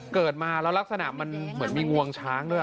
เกิดมาแล้วลักษณะมันเหมือนมีงวงช้างด้วย